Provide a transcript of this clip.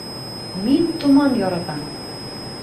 Мин томан яратам